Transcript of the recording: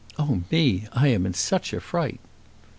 "Oh me! I am in such a fright."